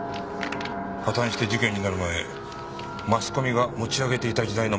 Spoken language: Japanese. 破綻して事件になる前マスコミが持ち上げていた時代のもある。